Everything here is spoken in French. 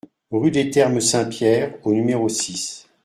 Rue des Thermes Saint-Pierre au numéro six